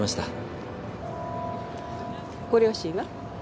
ご両親は？